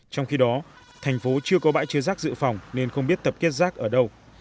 trong khi đó thành phố chưa có bãi chứa rác dự phòng nên không biết tập kết rác ở đâu